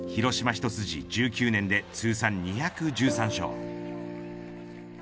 一筋１９年で通算２１３勝。